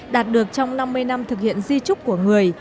đạt được trong năm mươi năm thực hiện di trúc của người